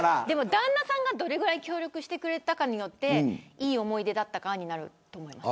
旦那さんがどれぐらい協力してくれたかによっていい思い出になると思います。